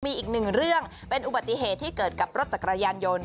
มีอีกหนึ่งเรื่องเป็นอุบัติเหตุที่เกิดกับรถจักรยานยนต์